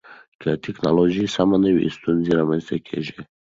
که ټکنالوژي سمه نه وي، ستونزې رامنځته کېږي.